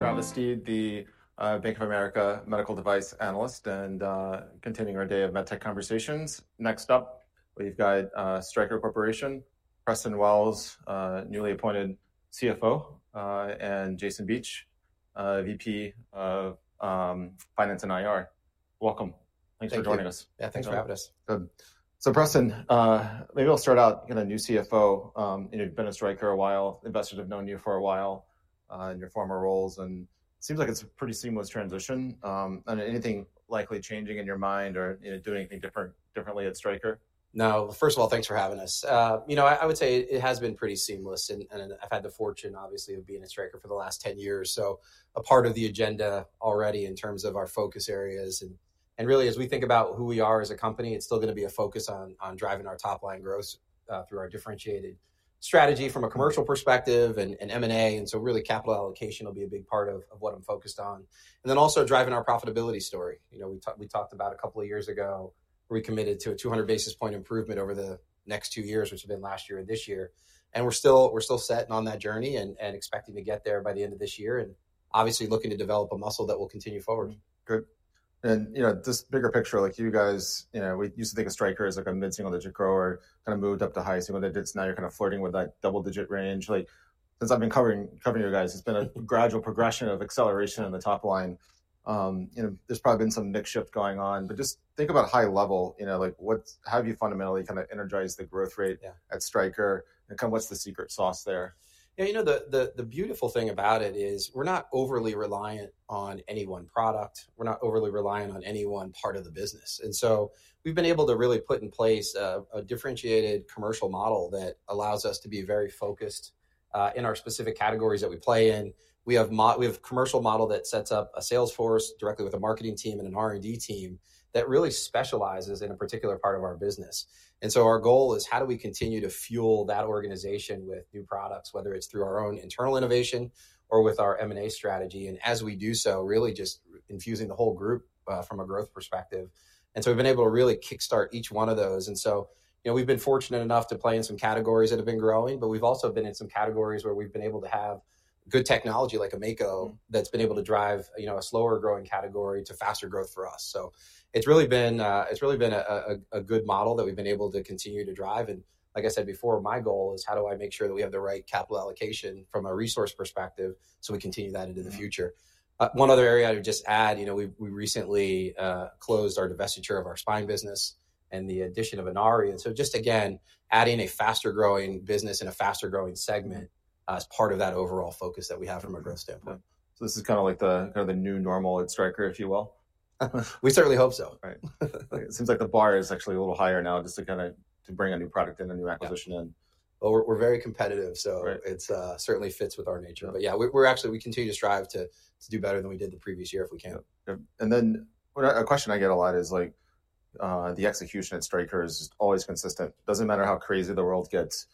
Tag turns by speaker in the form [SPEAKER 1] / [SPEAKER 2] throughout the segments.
[SPEAKER 1] Travis Steed, the Bank of America Medical Device Analyst, and continuing our day of MedTech conversations. Next up, we've got Stryker Corporation, Preston Wells, newly appointed CFO, and Jason Beach, VP of Finance and IR. Welcome. Thanks for joining us.
[SPEAKER 2] Yeah, thanks for having us.
[SPEAKER 1] Good. Preston, maybe I'll start out. You're the new CFO. You've been at Stryker a while. Investors have known you for a while in your former roles, and it seems like it's a pretty seamless transition. Anything likely changing in your mind or doing anything differently at Stryker?
[SPEAKER 2] No, first of all, thanks for having us. You know, I would say it has been pretty seamless, and I've had the fortune, obviously, of being at Stryker for the last 10 years. So, a part of the agenda already in terms of our focus areas. And really, as we think about who we are as a company, it's still going to be a focus on driving our top-line growth through our differentiated strategy from a commercial perspective and M&A. And so, really, capital allocation will be a big part of what I'm focused on. And then also driving our profitability story. We talked about a couple of years ago where we committed to a 200 basis point improvement over the next two years, which have been last year and this year. We're still setting on that journey and expecting to get there by the end of this year, and obviously looking to develop a muscle that will continue forward.
[SPEAKER 1] Good. This bigger picture, like you guys, we used to think of Stryker as like a mid single-digit grower, kind of moved up to high single-digits. Now you're kind of flirting with that double-digit range. Since I've been covering you guys, it's been a gradual progression of acceleration on the top line. There's probably been some mix shift going on, but just think about high level. How have you fundamentally kind of energized the growth rate at Stryker? Kind of what's the secret sauce there?
[SPEAKER 2] Yeah, you know, the beautiful thing about it is we're not overly reliant on any one product. We're not overly reliant on any one part of the business. We've been able to really put in place a differentiated commercial model that allows us to be very focused in our specific categories that we play in. We have a commercial model that sets up a sales force directly with a marketing team and an R&D team that really specializes in a particular part of our business. Our goal is how do we continue to fuel that organization with new products, whether it's through our own internal innovation or with our M&A strategy. As we do so, really just infusing the whole group from a growth perspective. We've been able to really kickstart each one of those. We have been fortunate enough to play in some categories that have been growing, but we have also been in some categories where we have been able to have good technology like a Mako that has been able to drive a slower growing category to faster growth for us. It has really been a good model that we have been able to continue to drive. Like I said before, my goal is how do I make sure that we have the right capital allocation from a resource perspective so we continue that into the future. One other area I would just add, we recently closed our divestiture of our spine business and the addition of Inari. Just again, adding a faster growing business and a faster growing segment as part of that overall focus that we have from a growth standpoint.
[SPEAKER 1] This is kind of like the new normal at Stryker, if you will?
[SPEAKER 2] We certainly hope so.
[SPEAKER 1] Right. It seems like the bar is actually a little higher now just to kind of bring a new product in, a new acquisition in.
[SPEAKER 2] We're very competitive, so it certainly fits with our nature. But yeah, we continue to strive to do better than we did the previous year if we can.
[SPEAKER 1] A question I get a lot is the execution at Stryker is always consistent. It does not matter how crazy the world gets.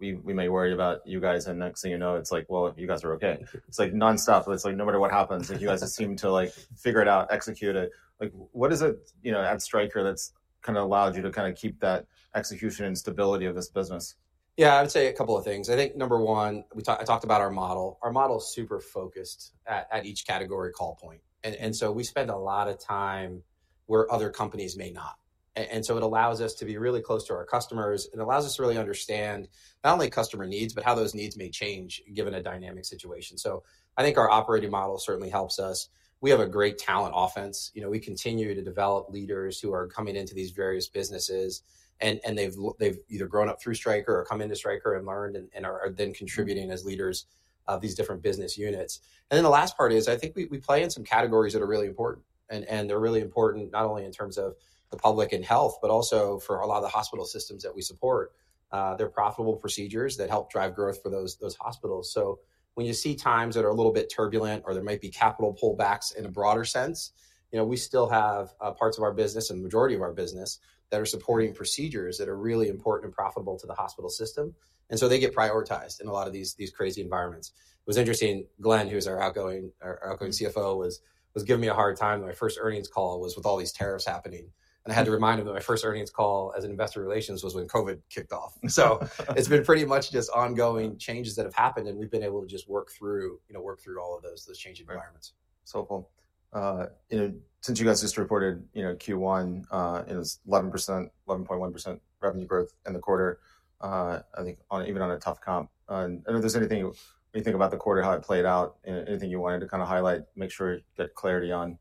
[SPEAKER 1] We may worry about you guys, and next thing you know, it is like, well, you guys are okay. It is nonstop. It is like no matter what happens, you guys just seem to figure it out, execute it. What is it at Stryker that has kind of allowed you to kind of keep that execution and stability of this business?
[SPEAKER 2] Yeah, I would say a couple of things. I think number one, I talked about our model. Our model is super focused at each category call point. We spend a lot of time where other companies may not. It allows us to be really close to our customers. It allows us to really understand not only customer needs, but how those needs may change given a dynamic situation. I think our operating model certainly helps us. We have a great talent offense. We continue to develop leaders who are coming into these various businesses, and they have either grown up through Stryker or come into Stryker and learned and are then contributing as leaders of these different business units. The last part is I think we play in some categories that are really important. They are really important not only in terms of the public and health, but also for a lot of the hospital systems that we support. They are profitable procedures that help drive growth for those hospitals. When you see times that are a little bit turbulent or there might be capital pullbacks in a broader sense, we still have parts of our business and the majority of our business that are supporting procedures that are really important and profitable to the hospital system. They get prioritized in a lot of these crazy environments. It was interesting, Glenn, who is our outgoing CFO, was giving me a hard time. My first earnings call was with all these tariffs happening. I had to remind him that my first earnings call as an investor relations was when COVID kicked off. It's been pretty much just ongoing changes that have happened, and we've been able to just work through all of those changing environments.
[SPEAKER 1] Cool. Since you guys just reported Q1, it was 11.1% revenue growth in the quarter, I think even on a tough comp. I don't know if there's anything you think about the quarter, how it played out, anything you wanted to kind of highlight, make sure you get clarity on.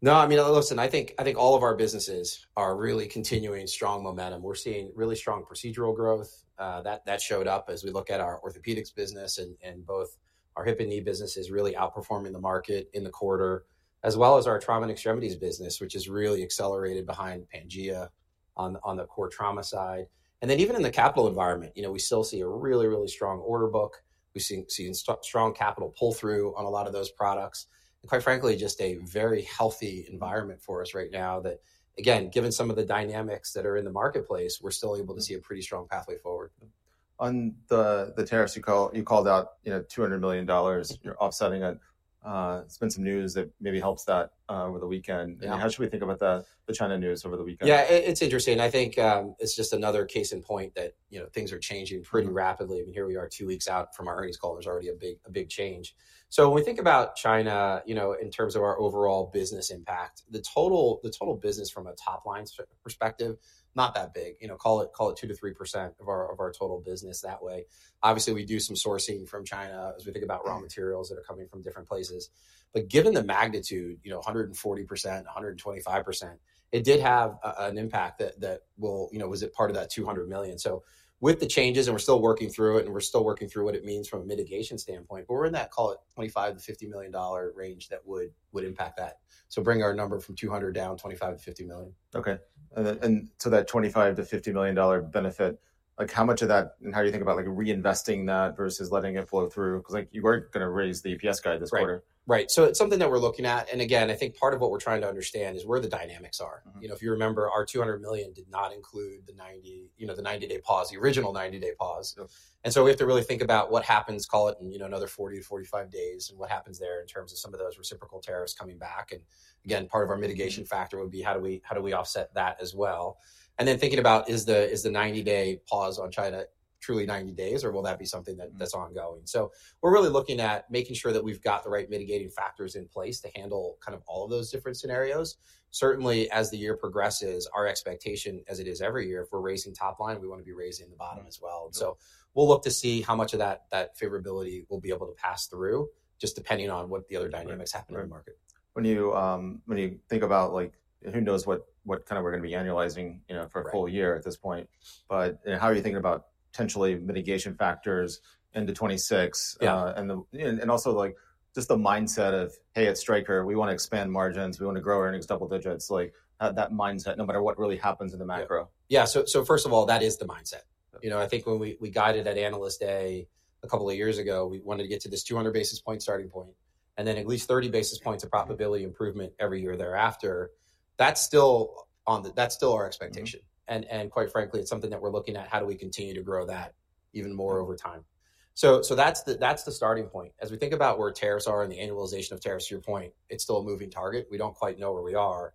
[SPEAKER 2] No, I mean, listen, I think all of our businesses are really continuing strong momentum. We're seeing really strong procedural growth. That showed up as we look at our Orthopaedics business and both our hip and knee businesses really outperforming the market in the quarter, as well as our Trauma and Extremities business, which has really accelerated behind Pangea on the core trauma side. Even in the capital environment, we still see a really, really strong order book. We see strong capital pull-through on a lot of those products. Quite frankly, just a very healthy environment for us right now that, again, given some of the dynamics that are in the marketplace, we're still able to see a pretty strong pathway forward.
[SPEAKER 1] On the tariffs, you called out $200 million, you're offsetting it. It's been some news that maybe helps that over the weekend. How should we think about the China news over the weekend?
[SPEAKER 2] Yeah, it's interesting. I think it's just another case in point that things are changing pretty rapidly. I mean, here we are two weeks out from our earnings call. There's already a big change. When we think about China in terms of our overall business impact, the total business from a top-line perspective, not that big, call it 2%-3% of our total business that way. Obviously, we do some sourcing from China as we think about raw materials that are coming from different places. Given the magnitude, 140%, 125%, it did have an impact that was part of that $200 million. With the changes, and we're still working through it, and we're still working through what it means from a mitigation standpoint, we're in that, call it, $25 million-$50 million range that would impact that. Bring our number from $200 million down $25 million-$50 million.
[SPEAKER 1] Okay. To that $25 million-$50 million benefit, how much of that, and how do you think about reinvesting that versus letting it flow through? Because you were not going to raise the EPS guide this quarter.
[SPEAKER 2] Right. It is something that we are looking at. Again, I think part of what we are trying to understand is where the dynamics are. If you remember, our $200 million did not include the 90-day pause, the original 90-day pause. We have to really think about what happens, call it, in another 40-45 days, and what happens there in terms of some of those reciprocal tariffs coming back. Again, part of our mitigation factor would be how do we offset that as well. Then thinking about, is the 90-day pause on China truly 90 days, or will that be something that is ongoing? We are really looking at making sure that we have got the right mitigating factors in place to handle all of those different scenarios. Certainly, as the year progresses, our expectation, as it is every year, if we're raising top line, we want to be raising the bottom as well. We'll look to see how much of that favorability we'll be able to pass through, just depending on what the other dynamics happen in the market.
[SPEAKER 1] When you think about who knows what kind of we're going to be annualizing for a full year at this point, but how are you thinking about potentially mitigation factors into 2026? Also just the mindset of, hey, at Stryker, we want to expand margins, we want to grow earnings double-digits, that mindset, no matter what really happens in the macro.
[SPEAKER 2] Yeah. First of all, that is the mindset. I think when we guided at Analyst Day a couple of years ago, we wanted to get to this 200 basis point starting point, and then at least 30 basis points of profitability improvement every year thereafter. That is still our expectation. Quite frankly, it is something that we are looking at, how do we continue to grow that even more over time? That is the starting point. As we think about where tariffs are and the annualization of tariffs, to your point, it is still a moving target. We do not quite know where we are.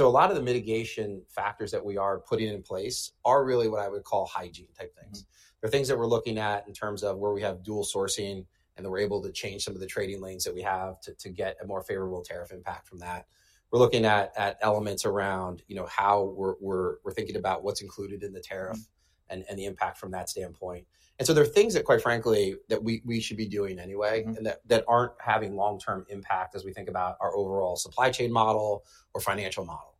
[SPEAKER 2] A lot of the mitigation factors that we are putting in place are really what I would call hygiene-type things. There are things that we're looking at in terms of where we have dual sourcing and that we're able to change some of the trading lanes that we have to get a more favorable tariff impact from that. We're looking at elements around how we're thinking about what's included in the tariff and the impact from that standpoint. There are things that, quite frankly, that we should be doing anyway that aren't having long-term impact as we think about our overall supply chain model or financial model.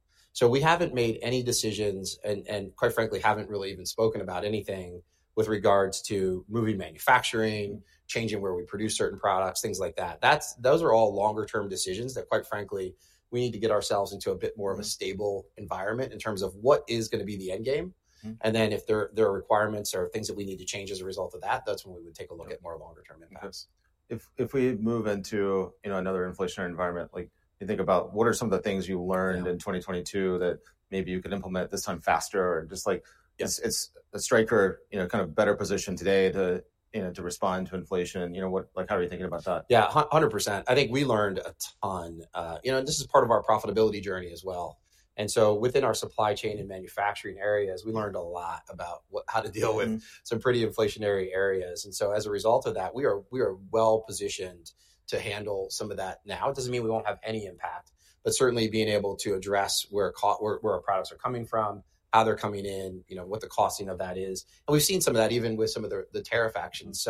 [SPEAKER 2] We haven't made any decisions and, quite frankly, haven't really even spoken about anything with regards to moving manufacturing, changing where we produce certain products, things like that. Those are all longer-term decisions that, quite frankly, we need to get ourselves into a bit more of a stable environment in terms of what is going to be the end game. If there are requirements or things that we need to change as a result of that, that's when we would take a look at more longer-term impacts.
[SPEAKER 1] If we move into another inflationary environment, you think about what are some of the things you learned in 2022 that maybe you could implement this time faster? Just like is Stryker kind of better positioned today to respond to inflation? How are you thinking about that?
[SPEAKER 2] Yeah, 100%. I think we learned a ton. This is part of our profitability journey as well. Within our supply chain and manufacturing areas, we learned a lot about how to deal with some pretty inflationary areas. As a result of that, we are well positioned to handle some of that now. It does not mean we will not have any impact, but certainly being able to address where our products are coming from, how they are coming in, what the costing of that is. We have seen some of that even with some of the tariff actions.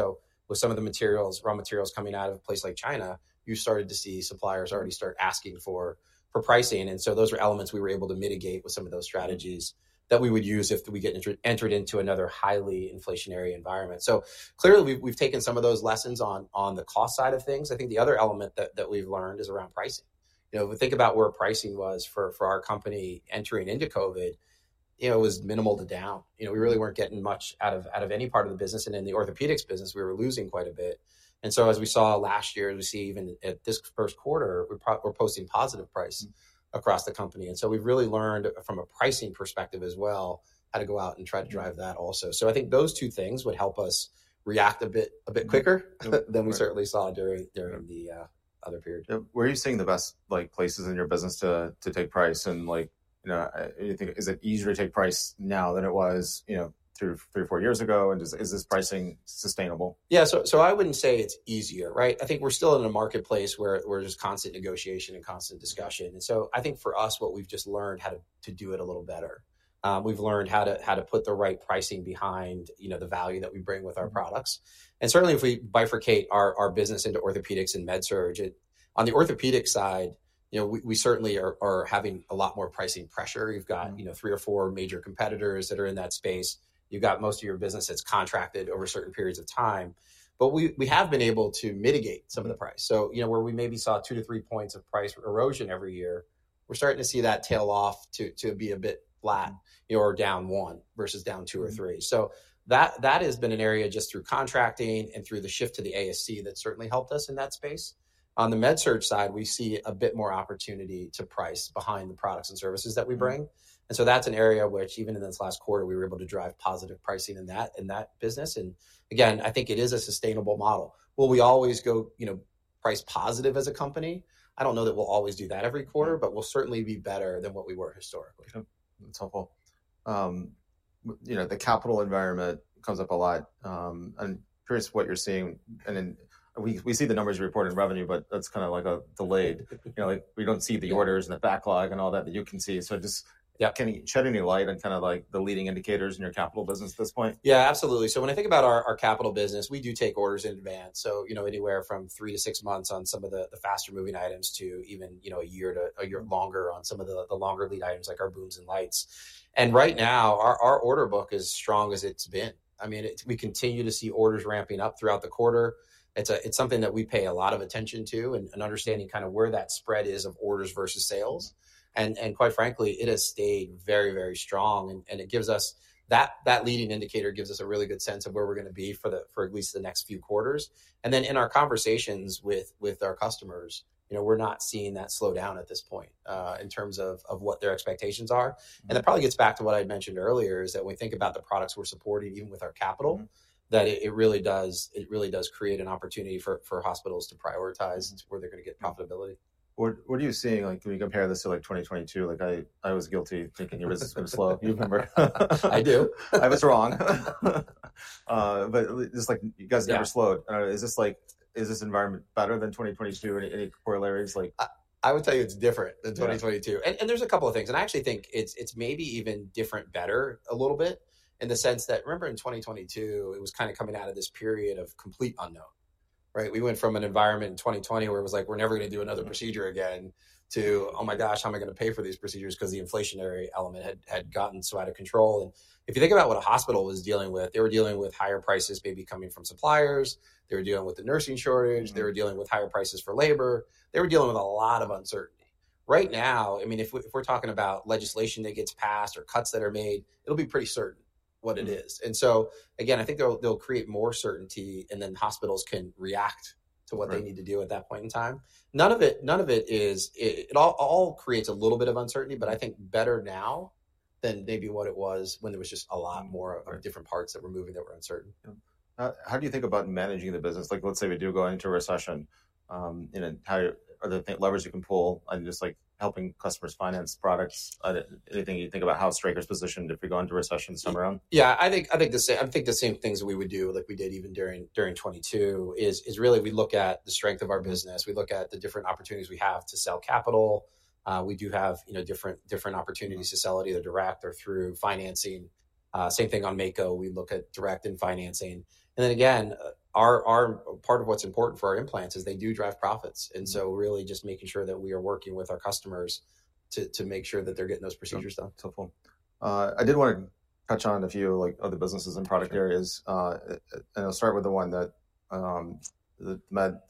[SPEAKER 2] With some of the raw materials coming out of a place like China, you started to see suppliers already start asking for pricing. Those are elements we were able to mitigate with some of those strategies that we would use if we get entered into another highly inflationary environment. Clearly, we've taken some of those lessons on the cost side of things. I think the other element that we've learned is around pricing. If we think about where pricing was for our company entering into COVID, it was minimal to down. We really weren't getting much out of any part of the business. In the orthopaedics business, we were losing quite a bit. As we saw last year, as we see even at this first quarter, we're posting positive price across the company. We've really learned from a pricing perspective as well how to go out and try to drive that also. I think those two things would help us react a bit quicker than we certainly saw during the other period.
[SPEAKER 1] Where are you seeing the best places in your business to take price? Is it easier to take price now than it was three or four years ago? Is this pricing sustainable?
[SPEAKER 2] Yeah. I would not say it is easier, right? I think we are still in a marketplace where there is constant negotiation and constant discussion. I think for us, we have just learned how to do it a little better. We have learned how to put the right pricing behind the value that we bring with our products. Certainly, if we bifurcate our business into Orthopaedics and MedSurg, on the Orthopaedic side, we certainly are having a lot more pricing pressure. You have got three or four major competitors that are in that space. You have got most of your business that is contracted over certain periods of time. We have been able to mitigate some of the price. Where we maybe saw two to three points of price erosion every year, we are starting to see that tail off to be a bit flat or down one versus down two or three. That has been an area just through contracting and through the shift to the ASC that certainly helped us in that space. On the MedSurg side, we see a bit more opportunity to price behind the products and services that we bring. That is an area which even in this last quarter, we were able to drive positive pricing in that business. Again, I think it is a sustainable model. Will we always go price positive as a company? I do not know that we will always do that every quarter, but we will certainly be better than what we were historically.
[SPEAKER 1] That's helpful. The capital environment comes up a lot. I'm curious what you're seeing. We see the numbers reported in revenue, but that's kind of like delayed. We don't see the orders and the backlog and all that that you can see. Just shed any light on kind of like the leading indicators in your capital business at this point?
[SPEAKER 2] Yeah, absolutely. When I think about our capital business, we do take orders in advance. Anywhere from three to six months on some of the faster-moving items to even a year or longer on some of the longer-lead items like our booms and lights. Right now, our order book is as strong as it has been. I mean, we continue to see orders ramping up throughout the quarter. It is something that we pay a lot of attention to and understanding kind of where that spread is of orders versus sales. Quite frankly, it has stayed very, very strong. That leading indicator gives us a really good sense of where we are going to be for at least the next few quarters. In our conversations with our customers, we are not seeing that slow down at this point in terms of what their expectations are. That probably gets back to what I had mentioned earlier is that when we think about the products we're supporting even with our capital, that it really does create an opportunity for hospitals to prioritize where they're going to get profitability.
[SPEAKER 1] What are you seeing? Can we compare this to 2022? I was guilty thinking it was going to slow. Do you remember?
[SPEAKER 2] I do. I was wrong.
[SPEAKER 1] It's like you guys never slowed. Is this environment better than 2022? Any corollaries?
[SPEAKER 2] I would tell you it's different than 2022. There's a couple of things. I actually think it's maybe even different better a little bit in the sense that, remember in 2022, it was kind of coming out of this period of complete unknown. We went from an environment in 2020 where it was like, we're never going to do another procedure again to, oh my gosh, how am I going to pay for these procedures because the inflationary element had gotten so out of control. If you think about what a hospital was dealing with, they were dealing with higher prices maybe coming from suppliers. They were dealing with the nursing shortage. They were dealing with higher prices for labor. They were dealing with a lot of uncertainty. Right now, I mean, if we're talking about legislation that gets passed or cuts that are made, it'll be pretty certain what it is. I think they'll create more certainty and then hospitals can react to what they need to do at that point in time. None of it is, it all creates a little bit of uncertainty, but I think better now than maybe what it was when there was just a lot more of different parts that were moving that were uncertain.
[SPEAKER 1] How do you think about managing the business? Let's say we do go into a recession. Are there levers you can pull on just helping customers finance products? Anything you think about how Stryker's positioned if we go into recession somewhere around?
[SPEAKER 2] Yeah, I think the same things that we would do like we did even during 2022 is really we look at the strength of our business. We look at the different opportunities we have to sell capital. We do have different opportunities to sell it either direct or through financing. Same thing on Mako. We look at direct and financing. Part of what is important for our implants is they do drive profits. Really just making sure that we are working with our customers to make sure that they are getting those procedures done.
[SPEAKER 1] That's helpful. I did want to touch on a few other businesses and product areas. I'll start with the one that the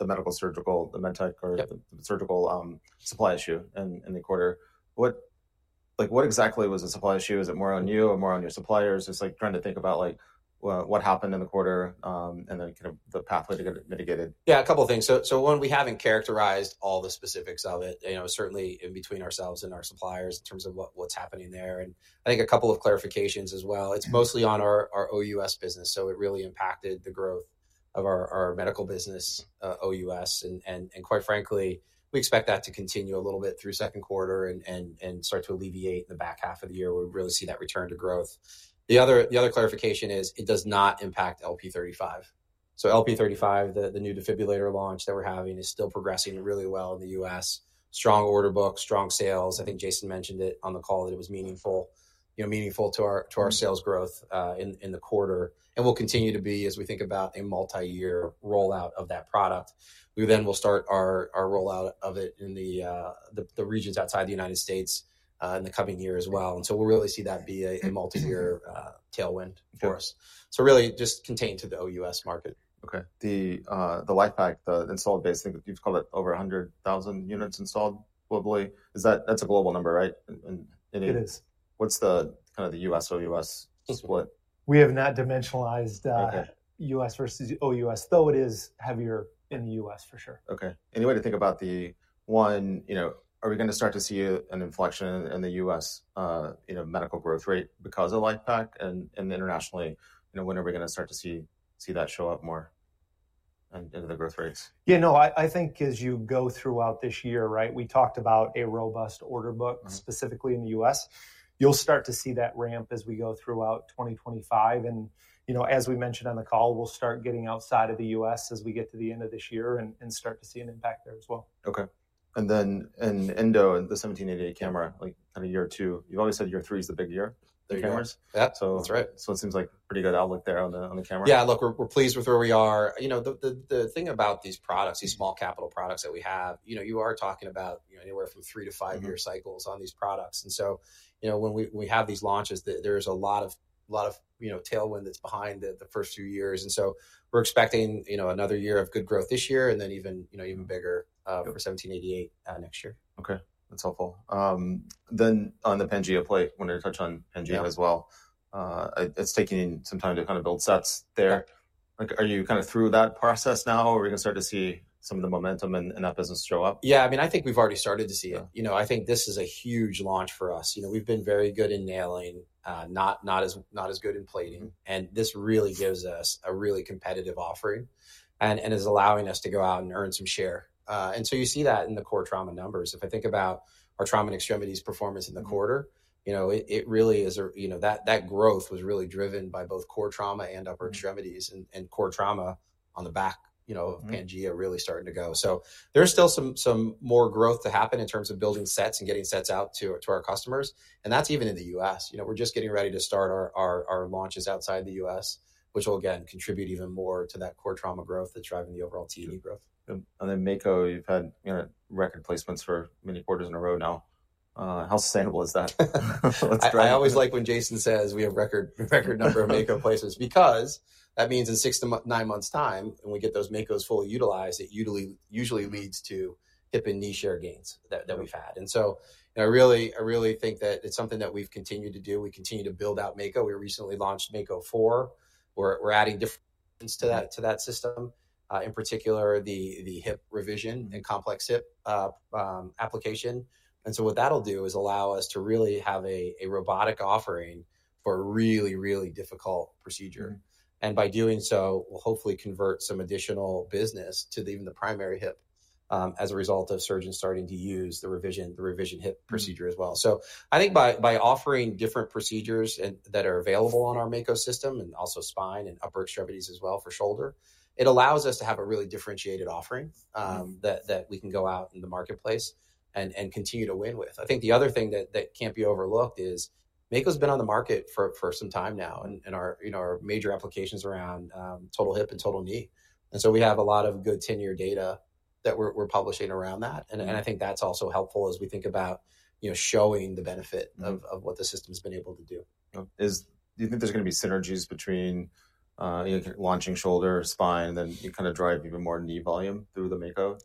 [SPEAKER 1] medical surgical, the med tech or the surgical supply issue in the quarter. What exactly was the supply issue? Is it more on you or more on your suppliers? Just trying to think about what happened in the quarter and then kind of the pathway to get it mitigated.
[SPEAKER 2] Yeah, a couple of things. One, we haven't characterized all the specifics of it, certainly in between ourselves and our suppliers in terms of what's happening there. I think a couple of clarifications as well. It's mostly on our OUS business. It really impacted the growth of our medical business, OUS. Quite frankly, we expect that to continue a little bit through second quarter and start to alleviate in the back half of the year where we really see that return to growth. The other clarification is it does not impact LP 35. LP 35, the new defibrillator launch that we're having, is still progressing really well in the U.S. Strong order book, strong sales. I think Jason mentioned it on the call that it was meaningful to our sales growth in the quarter. We will continue to be as we think about a multi-year rollout of that product. We then will start our rollout of it in the regions outside the United States in the coming year as well. We will really see that be a multi-year tailwind for us. Really just contained to the OUS market.
[SPEAKER 1] Okay. the LifePak, the installed base, I think you've called it over 100,000 units installed globally. That's a global number, right?
[SPEAKER 2] It is.
[SPEAKER 1] What's the kind of the U.S. OUS split?
[SPEAKER 3] We have not dimensionalized U.S. versus OUS, though it is heavier in the U.S. for sure.
[SPEAKER 1] Okay. Any way to think about the one, are we going to start to see an inflection in the U.S. medical growth rate because of LifePak? And internationally, when are we going to start to see that show up more into the growth rates?
[SPEAKER 3] Yeah, no, I think as you go throughout this year, right, we talked about a robust order book specifically in the U.S. You'll start to see that ramp as we go throughout 2025. As we mentioned on the call, we'll start getting outside of the U.S. as we get to the end of this year and start to see an impact there as well.
[SPEAKER 1] Okay. And then in Indo, the 1788 camera, kind of year two, you've always said year three is the big year for cameras.
[SPEAKER 2] Yeah, that's right.
[SPEAKER 1] It seems like pretty good outlook there on the camera.
[SPEAKER 2] Yeah, look, we're pleased with where we are. The thing about these products, these small capital products that we have, you are talking about anywhere from three to five year cycles on these products. When we have these launches, there's a lot of tailwind that's behind the first few years. We're expecting another year of good growth this year and then even bigger for 1788 next year.
[SPEAKER 1] Okay. That's helpful. On the Pangea plate, when I touch on Pangea as well, it's taking some time to kind of build sets there. Are you kind of through that process now or are you going to start to see some of the momentum in that business show up?
[SPEAKER 2] Yeah, I mean, I think we've already started to see it. I think this is a huge launch for us. We've been very good in nailing, not as good in plating. This really gives us a really competitive offering and is allowing us to go out and earn some share. You see that in the core trauma numbers. If I think about our trauma and extremities performance in the quarter, it really is that growth was really driven by both core trauma and upper extremities and core trauma on the back of Pangea really starting to go. There's still some more growth to happen in terms of building sets and getting sets out to our customers. That's even in the U.S. We're just getting ready to start our launches outside the U.S., which will again contribute even more to that core trauma growth that's driving the overall T&E growth.
[SPEAKER 1] Mako, you've had record placements for many quarters in a row now. How sustainable is that?
[SPEAKER 2] I always like when Jason says we have record number of Mako placements because that means in six to nine months' time, when we get those Makos fully utilized, it usually leads to hip and knee share gains that we've had. I really think that it's something that we've continued to do. We continue to build out Mako. We recently launched Mako 4, where we're adding different to that system, in particular the hip revision and complex hip application. What that'll do is allow us to really have a robotic offering for a really, really difficult procedure. By doing so, we'll hopefully convert some additional business to even the primary hip as a result of surgeons starting to use the revision hip procedure as well. I think by offering different procedures that are available on our Mako system and also spine and upper extremities as well for shoulder, it allows us to have a really differentiated offering that we can go out in the marketplace and continue to win with. I think the other thing that cannot be overlooked is Mako has been on the market for some time now and our major applications around total hip and total knee. We have a lot of good 10-year data that we are publishing around that. I think that is also helpful as we think about showing the benefit of what the system has been able to do.
[SPEAKER 1] Do you think there's going to be synergies between launching shoulder, spine, and then you kind of drive even more knee volume through the Mako?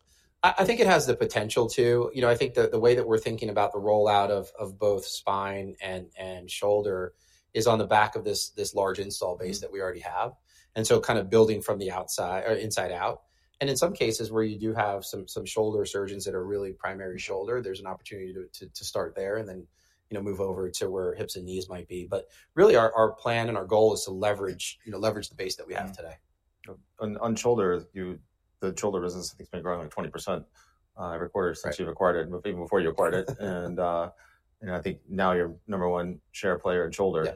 [SPEAKER 2] I think it has the potential to. I think the way that we're thinking about the rollout of both spine and shoulder is on the back of this large install base that we already have. Kind of building from the outside or inside out. In some cases where you do have some shoulder surgeons that are really primary shoulder, there's an opportunity to start there and then move over to where hips and knees might be. Really, our plan and our goal is to leverage the base that we have today.
[SPEAKER 1] On Shoulder, the Shoulder business, I think it's been growing like 20% every quarter since you've acquired it, even before you acquired it. I think now you're number one share player in Shoulder.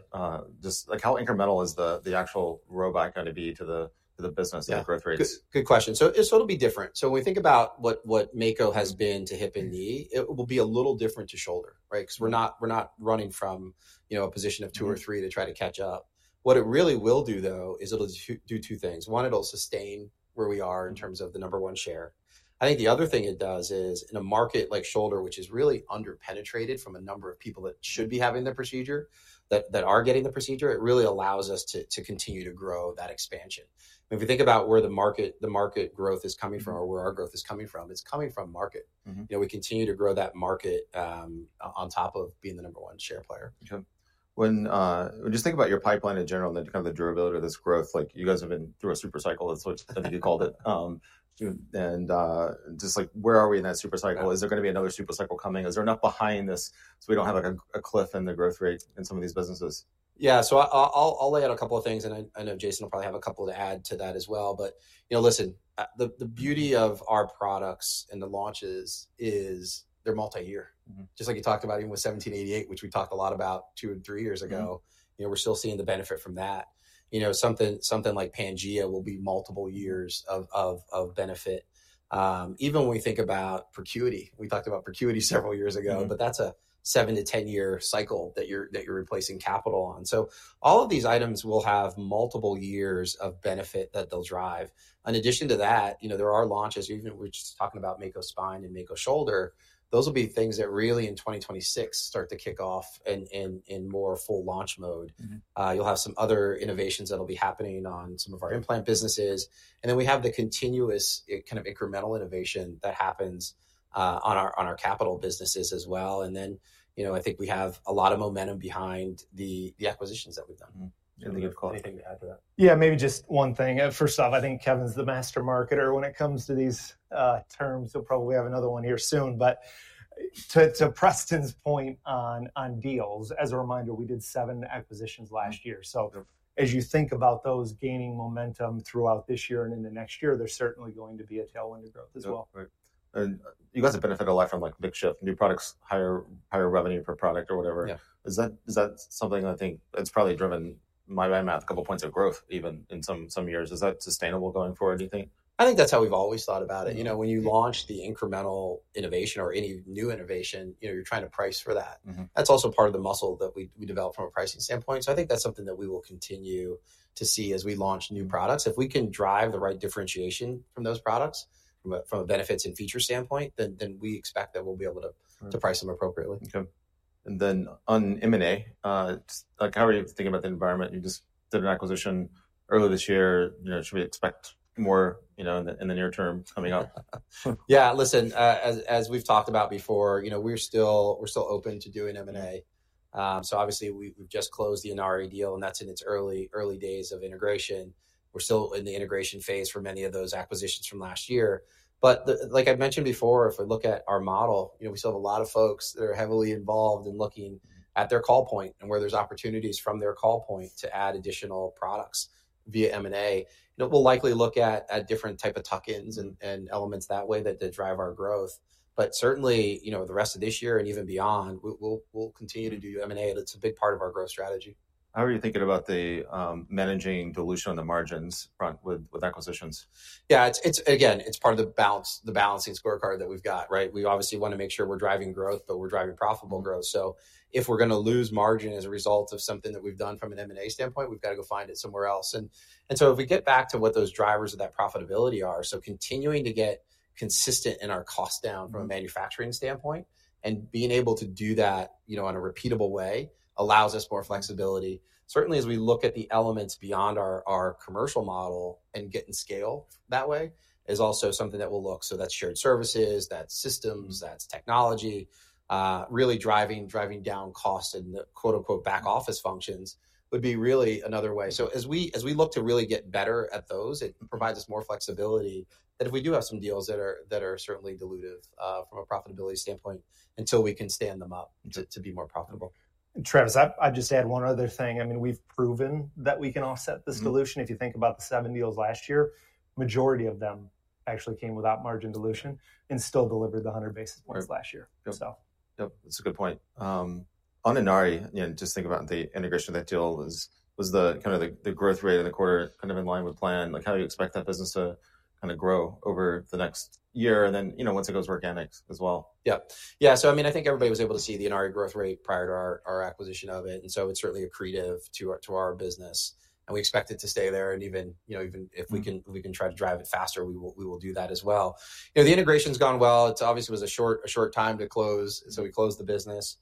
[SPEAKER 1] Just how incremental is the actual rollback going to be to the business and growth rates?
[SPEAKER 2] Good question. It'll be different. When we think about what Mako has been to Hip and Knee, it will be a little different to Shoulder, right? Because we're not running from a position of two or three to try to catch up. What it really will do, though, is it'll do two things. One, it'll sustain where we are in terms of the number one share. I think the other thing it does is in a market like Shoulder, which is really underpenetrated from a number of people that should be having the procedure, that are getting the procedure, it really allows us to continue to grow that expansion. If we think about where the market growth is coming from or where our growth is coming from, it's coming from market. We continue to grow that market on top of being the number one share player.
[SPEAKER 1] When you just think about your pipeline in general and kind of the durability of this growth, you guys have been through a supercycle, that's what you called it. Where are we in that supercycle? Is there going to be another supercycle coming? Is there enough behind this so we do not have a cliff in the growth rate in some of these businesses?
[SPEAKER 2] Yeah. I'll lay out a couple of things. I know Jason will probably have a couple to add to that as well. Listen, the beauty of our products and the launches is they're multi-year. Just like you talked about even with 1788, which we talked a lot about two or three years ago, we're still seeing the benefit from that. Something like Pangea will be multiple years of benefit. Even when we think about ProCuity, we talked about ProCuit several years ago, but that's a seven to ten-year cycle that you're replacing capital on. All of these items will have multiple years of benefit that they'll drive. In addition to that, there are launches, even we're just talking about Mako spine and Mako shoulder, those will be things that really in 2026 start to kick off in more full launch mode. You'll have some other innovations that'll be happening on some of our implant businesses. You have the continuous kind of incremental innovation that happens on our capital businesses as well. I think we have a lot of momentum behind the acquisitions that we've done. Anything you'd call it? Anything to add to that?
[SPEAKER 3] Yeah, maybe just one thing. First off, I think Kevin's the master marketer when it comes to these terms. He'll probably have another one here soon. To Preston's point on deals, as a reminder, we did seven acquisitions last year. As you think about those gaining momentum throughout this year and in the next year, there's certainly going to be a tailwind of growth as well.
[SPEAKER 1] You guys have benefited a lot from like big shift, new products, higher revenue per product or whatever. Is that something, I think it's probably driven, my math, a couple of points of growth even in some years. Is that sustainable going forward, do you think?
[SPEAKER 2] I think that's how we've always thought about it. When you launch the incremental innovation or any new innovation, you're trying to price for that. That's also part of the muscle that we develop from a pricing standpoint. I think that's something that we will continue to see as we launch new products. If we can drive the right differentiation from those products from a benefits and features standpoint, then we expect that we'll be able to price them appropriately.
[SPEAKER 1] Okay. On M&A, how are you thinking about the environment? You just did an acquisition early this year. Should we expect more in the near term coming up?
[SPEAKER 2] Yeah, listen, as we've talked about before, we're still open to doing M&A. Obviously, we've just closed the Inari deal, and that's in its early days of integration. We're still in the integration phase for many of those acquisitions from last year. Like I mentioned before, if we look at our model, we still have a lot of folks that are heavily involved in looking at their call point and where there's opportunities from their call point to add additional products via M&A. We'll likely look at different types of tuck-ins and elements that way that drive our growth. Certainly, the rest of this year and even beyond, we'll continue to do M&A. It's a big part of our growth strategy.
[SPEAKER 1] How are you thinking about managing dilution on the margins with acquisitions?
[SPEAKER 2] Yeah, again, it's part of the balancing scorecard that we've got, right? We obviously want to make sure we're driving growth, but we're driving profitable growth. If we're going to lose margin as a result of something that we've done from an M&A standpoint, we've got to go find it somewhere else. If we get back to what those drivers of that profitability are, continuing to get consistent in our cost down from a manufacturing standpoint and being able to do that in a repeatable way allows us more flexibility. Certainly, as we look at the elements beyond our commercial model and getting scale that way is also something that we'll look. That's shared services, that's systems, that's technology, really driving down costs in the "back office" functions would be really another way. As we look to really get better at those, it provides us more flexibility that if we do have some deals that are certainly dilutive from a profitability standpoint until we can stand them up to be more profitable.
[SPEAKER 3] Travis, I'd just add one other thing. I mean, we've proven that we can offset the dilution. If you think about the seven deals last year, the majority of them actually came without margin dilution and still delivered the 100 basis points last year.
[SPEAKER 1] Yep. That's a good point. On Inari, just think about the integration of that deal. Was the kind of the growth rate in the quarter kind of in line with plan? How do you expect that business to kind of grow over the next year and then once it goes organic as well?
[SPEAKER 2] Yeah. Yeah. I mean, I think everybody was able to see the Inari growth rate prior to our acquisition of it. It is certainly accretive to our business. We expect it to stay there. Even if we can try to drive it faster, we will do that as well. The integration has gone well. It obviously was a short time to close. We closed the business.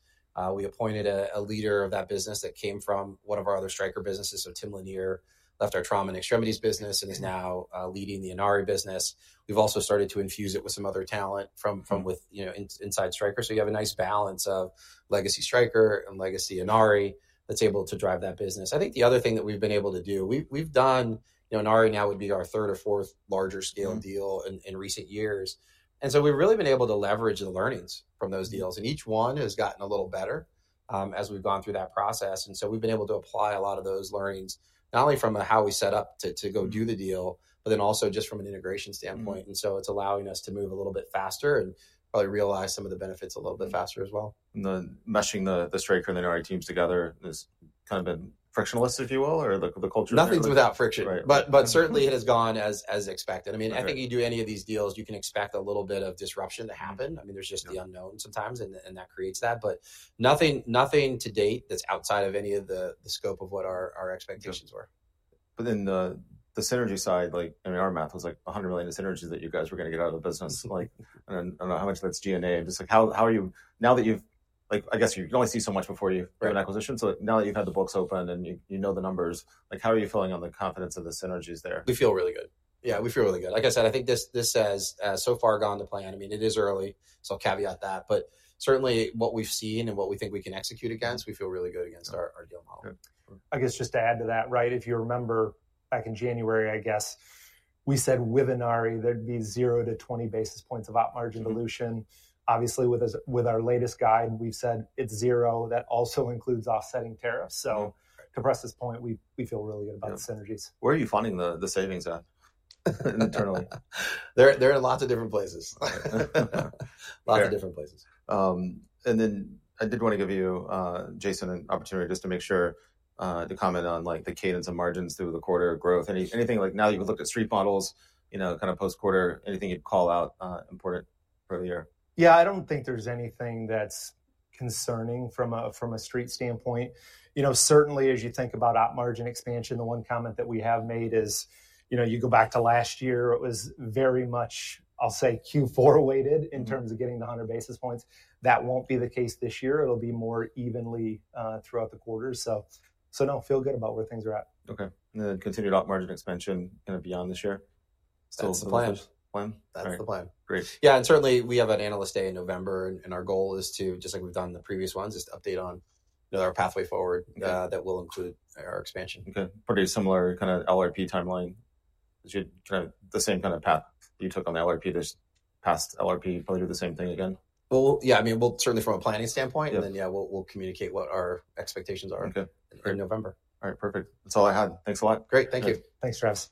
[SPEAKER 2] We appointed a leader of that business that came from one of our other Stryker businesses. Tim Lanier left our Trauma and Extremities business and is now leading the Inari business. We have also started to infuse it with some other talent from inside Stryker. You have a nice balance of legacy Stryker and legacy Inari that is able to drive that business. I think the other thing that we've been able to do, we've done Inari now would be our third or fourth larger scale deal in recent years. We've really been able to leverage the learnings from those deals. Each one has gotten a little better as we've gone through that process. We've been able to apply a lot of those learnings, not only from how we set up to go do the deal, but then also just from an integration standpoint. It's allowing us to move a little bit faster and probably realize some of the benefits a little bit faster as well.
[SPEAKER 1] Has the meshing the Stryker and Inari teams together has kind of been frictionless, if you will, or the culture?
[SPEAKER 2] Nothing's without friction. Certainly, it has gone as expected. I mean, I think you do any of these deals, you can expect a little bit of disruption to happen. I mean, there's just the unknown sometimes, and that creates that. Nothing to date that's outside of any of the scope of what our expectations were.
[SPEAKER 1] Then the synergy side, I mean, our math was like $100 million in synergies that you guys were going to get out of the business. I do not know how much that is G&A. Just how are you now that you have, I guess you can only see so much before you have an acquisition. Now that you have had the books open and you know the numbers, how are you feeling on the confidence of the synergies there?
[SPEAKER 2] We feel really good. Yeah, we feel really good. Like I said, I think this has so far gone to plan. I mean, it is early. I'll caveat that. Certainly, what we've seen and what we think we can execute against, we feel really good against our deal model.
[SPEAKER 3] I guess just to add to that, right? If you remember back in January, I guess we said with Inari there'd be 0-20 basis points of op margin dilution. Obviously, with our latest guide, we've said it's zero. That also includes offsetting tariffs. To Preston's point, we feel really good about the synergies.
[SPEAKER 1] Where are you finding the savings at internally? They're in lots of different places. Lots of different places. I did want to give you, Jason, an opportunity just to make sure to comment on the cadence of margins through the quarter growth. Anything like now you've looked at street models, kind of post-quarter, anything you'd call out important earlier?
[SPEAKER 3] Yeah, I don't think there's anything that's concerning from a street standpoint. Certainly, as you think about op margin expansion, the one comment that we have made is you go back to last year, it was very much, I'll say, Q4-weighted in terms of getting the 100 basis points. That won't be the case this year. It'll be more evenly throughout the quarter. No, feel good about where things are at.
[SPEAKER 1] Okay. And then continued op margin expansion kind of beyond this year?
[SPEAKER 2] That's the plan. That's the plan.
[SPEAKER 1] Great.
[SPEAKER 2] Yeah. Certainly, we have an Analyst Day in November. Our goal is to, just like we've done the previous ones, just update on our pathway forward that will include our expansion.
[SPEAKER 1] Okay. Pretty similar kind of LRP timeline. Is it kind of the same kind of path you took on the LRP this past LRP? Probably do the same thing again?
[SPEAKER 2] Yeah. I mean, we'll certainly from a planning standpoint. And then, yeah, we'll communicate what our expectations are in November.
[SPEAKER 1] All right. Perfect. That's all I had. Thanks a lot.
[SPEAKER 2] Great. Thank you.
[SPEAKER 3] Thanks, Travis.